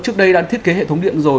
trước đây đã thiết kế hệ thống điện rồi